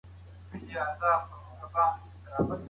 مقاومت وکړه چې خلک دې وپېژني.